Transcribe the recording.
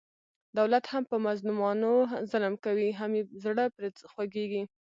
دولت هم په مظلومانو ظلم کوي، هم یې زړه پرې خوګېږي.